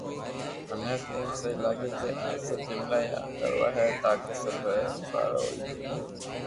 مني تو ايم سھي لاگي ڪي اج سب جملا پئرا ڪروا ھي تاڪي سب ري ڀآرو ھوئي ھگو